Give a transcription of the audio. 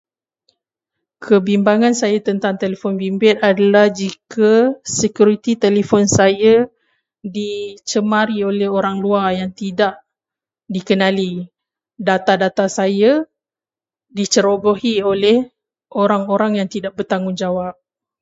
Kebimbangan saya tentang telefon bimbit adalah jika sekuriti telefon saya dicemari oleh orang luar yang tidak dikenali, data-data saya dicerobohi oleh orang-orang yang tidak bertanggungjawab.